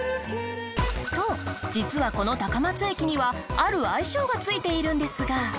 と実はこの高松駅にはある愛称が付いているんですが。